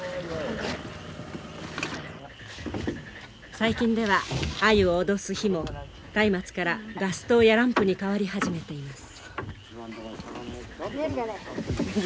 最近ではアユを脅す火もたいまつからガス灯やランプにかわり始めています。